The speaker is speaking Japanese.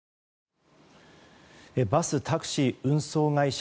バス、タクシー運送会社。